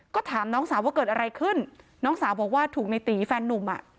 ก็ถามน้องสาวว่าเกิดอะไรขึ้นน้องสาวบอกว่าถูกในตีแฟนนุ่มอ่ะ